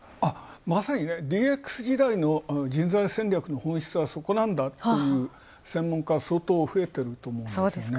まさにＤＸ時代の人材戦略の紛失はそこなんだという専門家は相当増えていると思う。